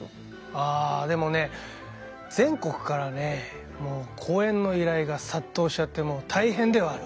ああでもね全国からね講演の依頼が殺到しちゃってもう大変ではあるわ。